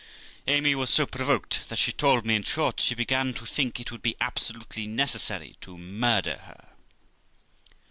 Amy was so provoked, that she told me, in short, she began to think it would be absolutely necessary to murder her.